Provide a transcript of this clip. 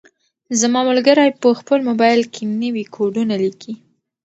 زما ملګری په خپل موبایل کې نوي کوډونه لیکي.